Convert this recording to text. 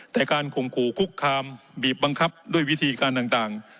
แต่การข่มขู่คุกคามบีบบังคับด้วยวิธีการต่าง